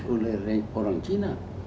oleh orang cina